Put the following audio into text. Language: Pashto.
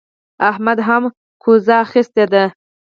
احمد هم کوزه اخيستې ده.